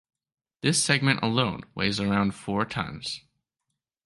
This segment alone weighs around four tons.